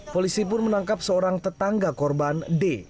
polisi pun menangkap seorang tetangga korban d